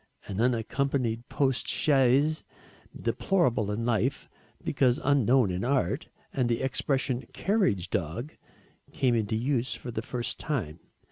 An unaccompanied post chaise, deplorable in life, because unknown in art, and the expression "carriage dog" came into use for the first time.